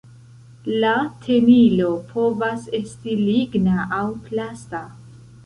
La tenilo povas esti ligna aŭ plasta.